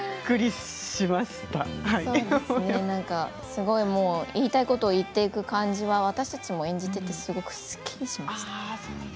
すごい言いたいことを言っていく感じが私たちも演じていて、すごくすっきりしました。